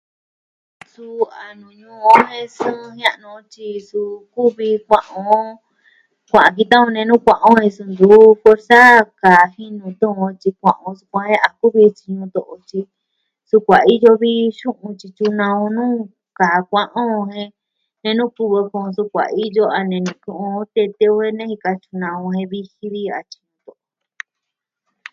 Suu a nuu ñuu o jen sɨɨn jia'nu o tyi suu kuvi kua'an o, kua'an ki ta'an o nenu kua'an o so ntu kusaa kaji nuu tu''un o tyi kua'an o sukuan de a kuvi tyi... sukuan iyo vi xu'un tyi tyunaa o nuu kaa kua'an o jen nenu kɨ'ɨn o ka sukuan iyo a nenu kɨ'ɨn o detun nejika tyunaa o jen viji vi.